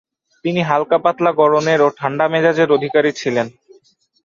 তিনি হাল্কা-পাতলা গড়নের ও ঠাণ্ডা মেজাজের অধিকারী ছিলেন।